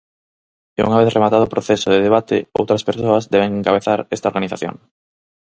E unha vez rematado o proceso de debate outras persoas deben encabezar esta organización.